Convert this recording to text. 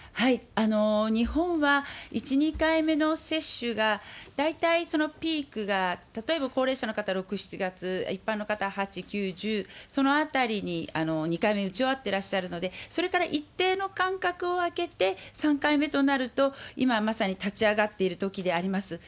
日本は１、２回目の接種が、大体そのピークが、例えば高齢者の方は６、７月、一般の方８、９、１０、そのあたりに２回目打ち終わっていらっしゃるので、それから一定の間隔を空けて３回目となると、今まさに立ち上がっているときであります。